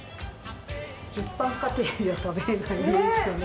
一般家庭では食べられない量ですよね。